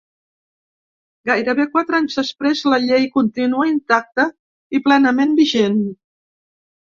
Gairebé quatre anys després, la llei continua intacta i plenament vigent.